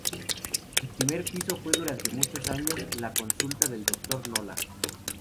El primer piso fue durante muchos años la consulta del doctor Nolla.